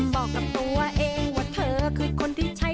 บอกกับตัวเองว่าเธอคือคนที่ใช้